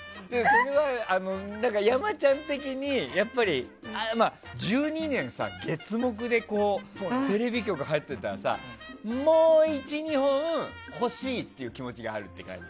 それは山ちゃん的にやっぱり、１２年さ、月木でテレビ局に入っていったらもう１２本欲しいっていう気持ちがある感じ？